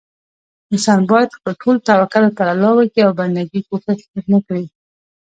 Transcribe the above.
انسان بايد خپل ټول توکل پر الله وکي او بندګي کوښښ هير نه کړي